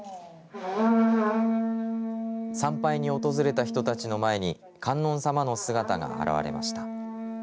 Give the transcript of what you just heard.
参拝に訪れた人たちの前に観音さまの姿が現れました。